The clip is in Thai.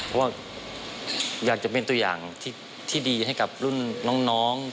เพราะว่าอยากจะเป็นตัวอย่างที่ดีให้กับรุ่นน้อง